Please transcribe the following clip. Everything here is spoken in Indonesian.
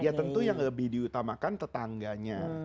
ya tentu yang lebih diutamakan tetangganya